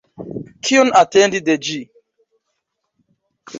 Kion atendi de ĝi?